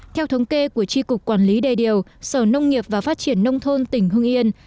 theo thống kê của tri cục quản lý đề điều sở nông nghiệp và phát triển nông thôn tỉnh hưng yên